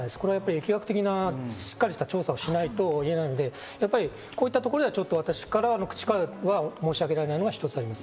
疫学的なしっかりした調査をしないといけないので、こういったところでは私の口からは申し上げられないのが一つあります。